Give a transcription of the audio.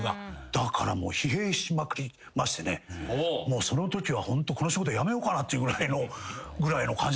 だから疲弊しまくりましてそのときはホントこの仕事辞めようかなってぐらいの感じ。